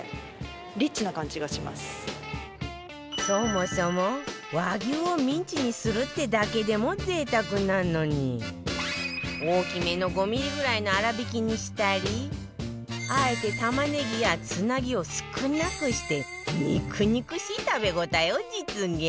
そもそも和牛をミンチにするってだけでも贅沢なのに大きめの５ミリぐらいの粗びきにしたりあえて玉ねぎやつなぎを少なくして肉々しい食べ応えを実現